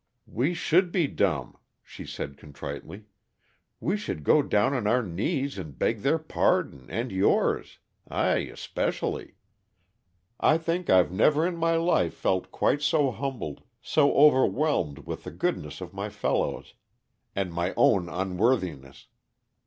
"We should be dumb," she said contritely. "We should go down on our knees and beg their pardon and yours I especially. I think I've never in my life felt quite so humbled so overwhelmed with the goodness of my fellows, and my own unworthiness.